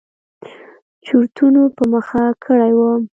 چورتونو په مخه کړى وم.